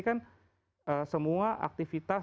kan semua aktivitas